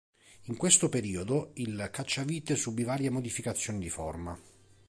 In questo periodo, il cacciavite subì varie modificazioni di forma.